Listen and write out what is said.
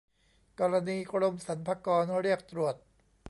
กรณีกรมสรรพากรเรียกตรวจ